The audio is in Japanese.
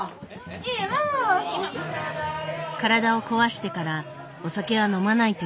体を壊してからお酒は飲まないというママ。